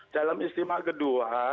dalam istimewa kedua